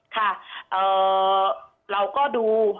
ค่ะเราก็ดู